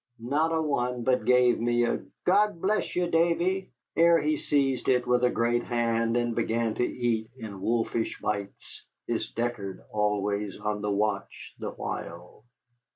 Not a one but gave me a "God bless you, Davy," ere he seized it with a great hand and began to eat in wolfish bites, his Deckard always on the watch the while.